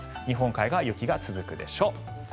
日本海側、雪が続くでしょう。